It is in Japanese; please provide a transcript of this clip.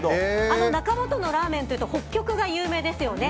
中本のラーメンというと北極が有名ですよね。